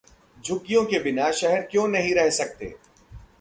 झुग्गियों के बिना शहर क्यों नहीं रह सकते